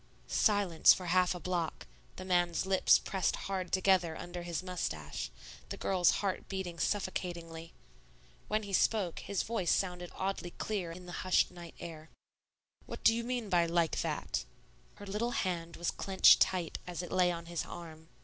Silence for half a block, the man's lips pressed hard together under his mustache, the girl's heart beating suffocatingly. When he spoke, his voice sounded oddly clear in the hushed night air. "What do you mean by 'like that'?" Her little hand was clinched tight as it lay on his arm.